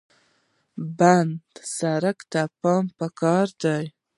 بند سړک ته پام پکار دی.